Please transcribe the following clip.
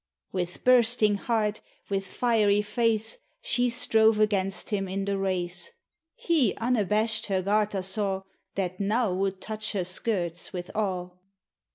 With bursting heart, with fiery face, She strove against him in the race; He unabashed her garter saw, That uow would touch her skirts with awe.